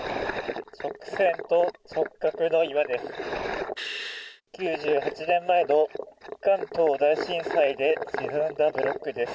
直線と直角の岩です。